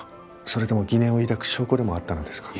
それとも疑念を抱く証拠でもあったのですか？